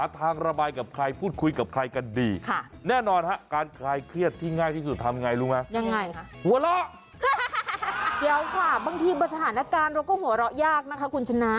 ยังไงค่ะหัวเราะเดี๋ยวค่ะบางทีบทธานการณ์เราก็หัวเราะยากนะคะคุณชนะ